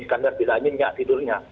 skander bilanin nyak tidurnya